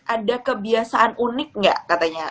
ada kebiasaan unik nggak katanya